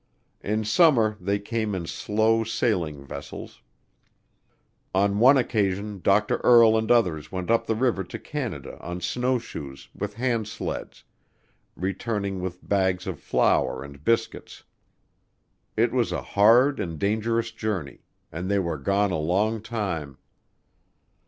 In summer they came in slow sailing vessels. On one occasion Dr. Earle and others went up the river to Canada on snowshoes with hand sleds, returning with bags of flour and biscuits. It was a hard and dangerous journey, and they were gone a long time.